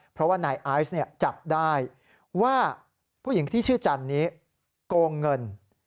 เพราะว่านายไอซ์จับได้ว่าผู้หญิงที่ชื่อจันนี้โกงเงิน